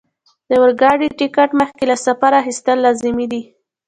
د اورګاډي ټکټ مخکې له سفره اخیستل لازمي دي.